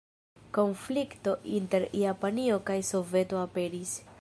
Konflikto inter Japanio kaj Soveto aperis.